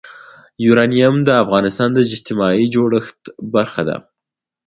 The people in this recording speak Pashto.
یورانیم د افغانستان د اجتماعي جوړښت برخه ده.